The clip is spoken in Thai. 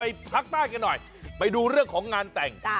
ภาคใต้กันหน่อยไปดูเรื่องของงานแต่ง